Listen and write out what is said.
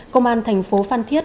công an thành phố phan thiết